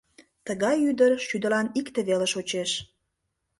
Тыгай ӱдыр шӱдылан икте веле шочеш...